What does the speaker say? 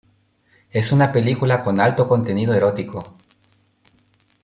Es una película con alto contenido erótico.